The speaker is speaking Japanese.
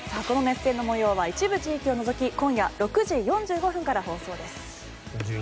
この熱戦の模様は一部地域を除き今夜６時４５分から放送です。